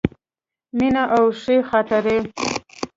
مینه او ښې خاطرې.